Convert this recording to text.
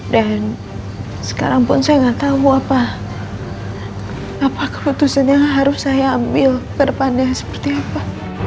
dan sekarang pun saya nggak tahu apa apa keputusan yang harus saya ambil ke depannya seperti apa